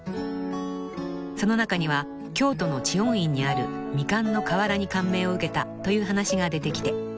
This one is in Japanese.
［その中には京都の知恩院にある未完の瓦に感銘を受けたという話が出てきて］